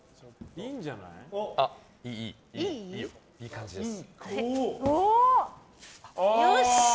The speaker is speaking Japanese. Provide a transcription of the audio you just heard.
いい感じです。